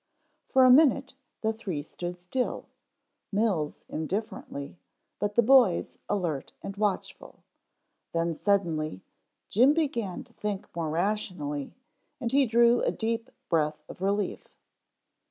For a minute the three stood still, Mills indifferently, but the boys alert and watchful, then suddenly Jim began to think more rationally and he drew a deep breath of relief.